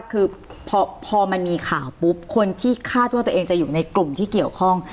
คือพอมันมีข่าวปุ๊บคนที่คาดว่าตัวเองจะอยู่ในกลุ่มที่เกี่ยวข้อง